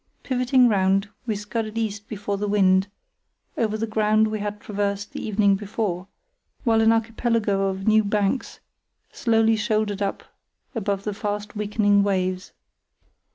Pivoting round, we scudded east before the wind, over the ground we had traversed the evening before, while an archipelago of new banks slowly shouldered up above the fast weakening waves.